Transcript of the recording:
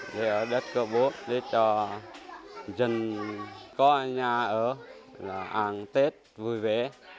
để ở đất của bố để cho dân có nhà ở ăn tết vui vẻ